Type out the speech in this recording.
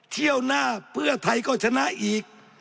เที่ยวหน้าเพื่อไทยก็ชนะอีก